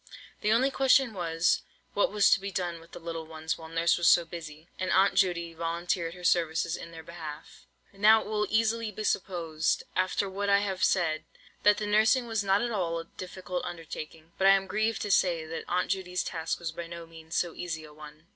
The only question was, what was to be done with the little ones while Nurse was so busy; and Aunt Judy volunteered her services in their behalf. Now it will easily be supposed, after what I have said, that the nursing was not at all a difficult undertaking; but I am grieved to say that Aunt Judy's task was by no means so easy a one.